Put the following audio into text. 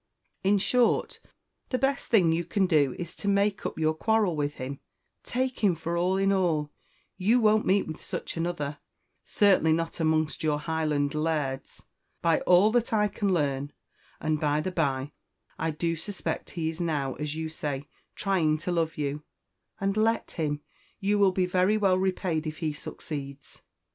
In short, the best thing you can do is to make up your quarrel with him take him for all in all you won't meet with such another certainly not amongst your Highland lairds, by all that I can learn; and, by the bye, I do suspect he is now, as you say, trying to love you; and let him you will be very well repaid if he succeeds."